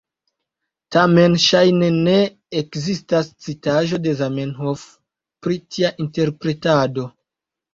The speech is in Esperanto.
Tamen ŝajne ne ekzistas citaĵo de Zamenhof pri tia interpretado.